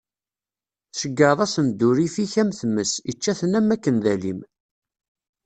Tceggɛeḍ-asen-d urrif-ik am tmes, ičča-ten am wakken d alim.